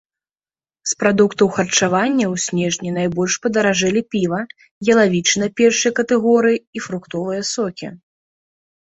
З прадуктаў харчавання ў снежні найбольш падаражэлі піва, ялавічына першай катэгорыі і фруктовыя сокі.